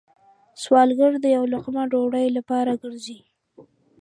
سوالګر د یو لقمه ډوډۍ لپاره گرځي